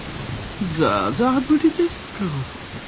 ザーザー降りですか。